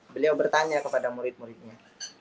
beliau bertanya kepada murid muridnya